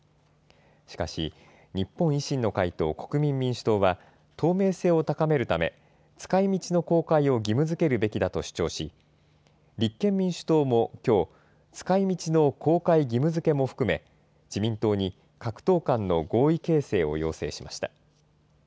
しかし、日本維新の会と国民民主党は、透明性を高めるため、使いみちの公開を義務づけるべきだと主張し、立憲民主党もきょう、使いみちの公開義務づけも含め、自民党に各党間の合意形成を要請しました。